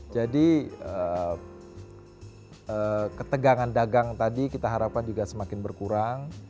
ketegangan dagang tadi kita harapkan juga semakin berkurang